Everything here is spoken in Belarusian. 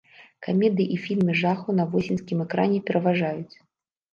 Камедыі і фільмы жахаў на восеньскім экране пераважаюць.